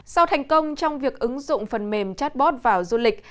sau thành công trong việc ứng dụng phần mềm chatbot vào du lịch